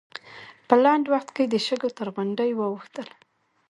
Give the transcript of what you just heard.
په لنډ وخت کې د شګو تر غونډۍ واوښتل.